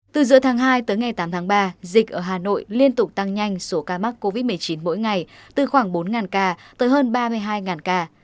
từ giữa tháng hai tới ngày tám tháng ba dịch ở hà nội liên tục tăng nhanh số ca mắc covid một mươi chín mỗi ngày từ khoảng bốn ca tới hơn ba mươi hai ca